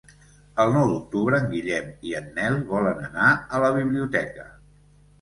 El nou d'octubre en Guillem i en Nel volen anar a la biblioteca.